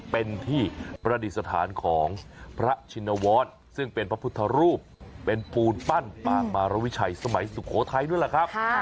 เป็นที่ประดิษฐานของพระชินวรซึ่งเป็นพระพุทธรูปเป็นปูนปั้นปางมารวิชัยสมัยสุโขทัยด้วยล่ะครับ